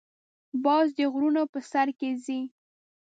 باز د غرونو په سر کې ځې